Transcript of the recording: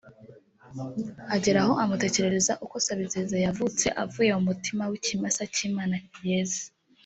ageraho amutekerereza uko Sabizeze yavutse avuye mu mutima w’ikimasa cy’imana yeze